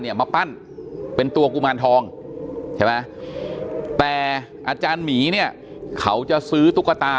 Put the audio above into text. มาปั้นเป็นตัวกุมารทองใช่ไหมแต่อาจารย์หมีเนี่ยเขาจะซื้อตุ๊กตา